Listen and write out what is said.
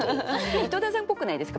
井戸田さんっぽくないですか？